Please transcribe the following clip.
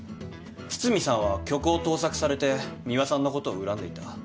堤さんは曲を盗作されて美和さんのことを恨んでいた。